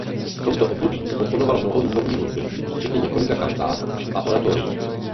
V tomto období zkomponoval mnoho duchovní hudby včetně několika kantát a oratorií.